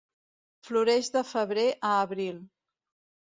Floreix de febrer a abril.